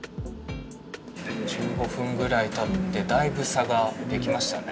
１５分ぐらいたってだいぶ差ができましたね。